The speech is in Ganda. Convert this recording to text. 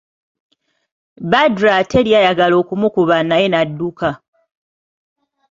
Badru ate ly'ayagala okumukuba naye yadduka.